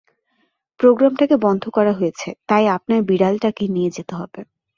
প্রোগ্রামটাকে বন্ধ করা হয়েছে, তাই, আপনার বিড়ালটাকে নিয়ে যেতে হবে।